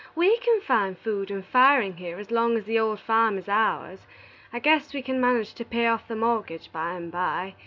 We can find food and firin' here as long as the old farm is ours. I guess we can manage to pay off the mortgage by and by.